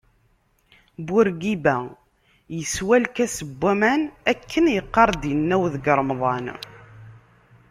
Burgiba yeswa lkas n waman akken yeqqar-d inaw deg remḍan.